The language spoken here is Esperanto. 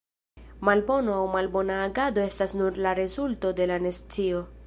Malbono aŭ malbona agado estas nur la rezulto de la nescio.